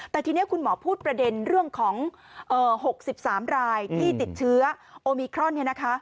แต่ทีนี้คุณหมอพูดประเด็นเรื่องของ๖๓รายที่ติดเชื้อโอมิครอน